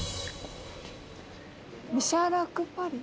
ミシャラク・パリ？